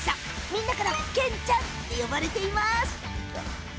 みんなからケンちゃんって呼ばれています。